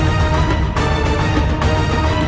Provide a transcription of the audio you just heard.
sampai jumpa lagi